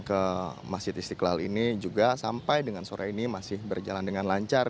ke masjid istiqlal ini juga sampai dengan sore ini masih berjalan dengan lancar